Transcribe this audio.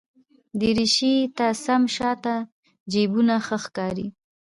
دریشي ته سم شاته جېبونه ښه ښکاري.